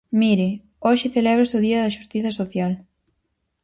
Mire, hoxe celébrase o Día da xustiza social.